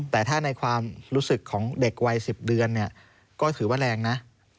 แต่ถ้าในความรู้สึกของเด็กวัย๑๐เดือนเนี่ยก็ถือว่าแรงนะ